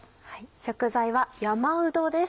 食材は山うどです。